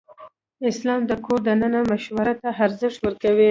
اسلام د کور دننه مشورې ته ارزښت ورکوي.